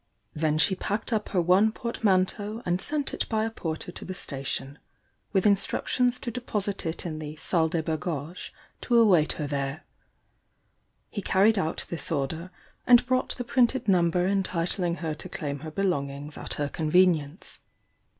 Then she packed up her one portmanteau and sent it by a porter to the station, with instructions to deposit it in the "Salle des Bagages," to await her there. He carried out this order, and brought the printed number entitling her to claim her belongings at her convenience.